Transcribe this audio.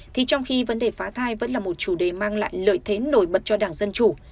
thì trong khi vấn đề phá thai vẫn là một chủ đề mang lại lợi thế nổi bật cho đảng dân chủ